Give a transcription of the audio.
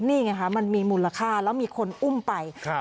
นี่ไงคะมันมีมูลค่าแล้วมีคนอุ้มไป